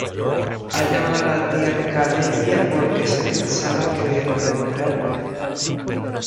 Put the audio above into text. Ha llamado la tía de Calella porque se pensaba que hoy era mi cumpleaños.